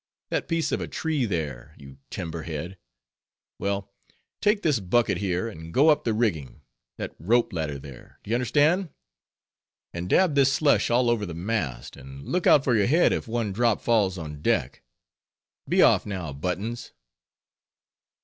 that piece of a tree there, you timber head—well—take this bucket here, and go up the rigging—that rope ladder there—do you understand?—and dab this slush all over the mast, and look out for your head if one drop falls on deck. Be off now, Buttons."